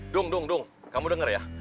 dung dung dung kamu dengar ya